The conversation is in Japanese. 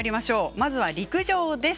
まずは陸上です。